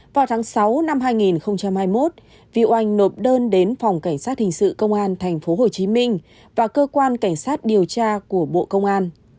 vào tháng sáu năm hai nghìn hai mươi một vi oanh nộp đơn đến phòng cảnh sát hình sự công an tp hcm và cơ quan cảnh sát điều tra của bộ công an